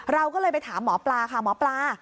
เราก็เลยไปถามหมอปลาค่ะหมอปลา